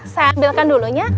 saya ambilkan dulunya